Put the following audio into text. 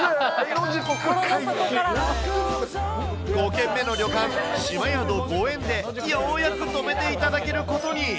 ５軒目の旅館、島宿御縁でようやく泊めていただけることに。